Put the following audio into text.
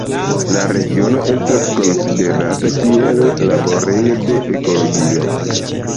La regiono estas konsiderata kiel "laborejo de ekologio".